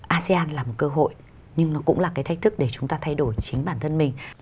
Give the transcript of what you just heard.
asean là một cơ hội nhưng nó cũng là cái thách thức để chúng ta thay đổi chính bản thân mình